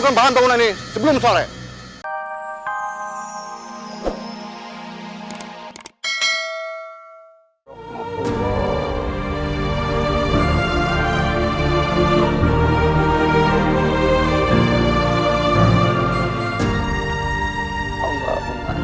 kita harus memperbaiki